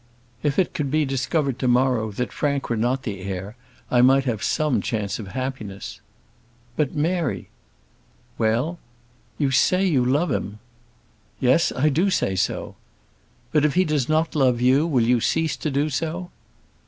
If it could be discovered to morrow that Frank were not the heir, I might have some chance of happiness." "But, Mary " "Well?" "You say you love him." "Yes; I do say so." "But if he does not love you, will you cease to do so?"